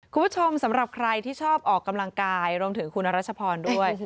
สำหรับใครที่ชอบออกกำลังกายรวมถึงคุณอรัชพรด้วย